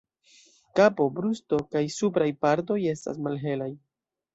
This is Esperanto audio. Kapo, brusto kaj supraj partoj estas malhelaj.